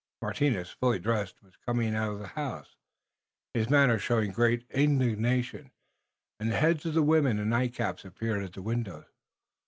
Martinus, fully dressed, was coming out of his house, his manner showing great indignation, and the heads of women in nightcaps appeared at the windows.